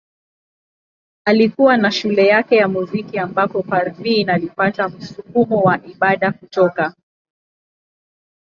Alikuwa na shule yake ya muziki ambapo Parveen alipata msukumo wa ibada kutoka.